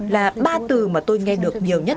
là ba từ mà tôi nghe được nhiều nhất